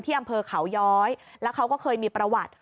อำเภอเขาย้อยแล้วเขาก็เคยมีประวัติ